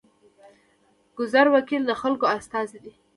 ګذر وکیل د خلکو استازی دی